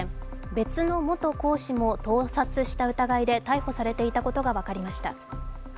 別の元講師も、盗撮した疑いで逮捕されていたことが分かりました。